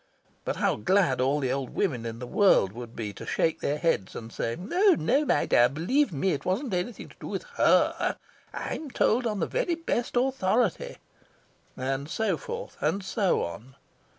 But how glad all the old women in the world would be to shake their heads and say "Oh, no, my dear, believe me! It wasn't anything to do with HER. I'm told on the very best authority," and so forth, and so on.